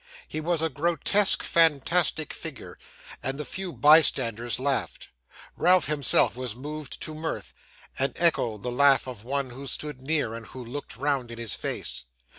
He was a grotesque, fantastic figure, and the few bystanders laughed. Ralph himself was moved to mirth, and echoed the laugh of one who stood near and who looked round in his face.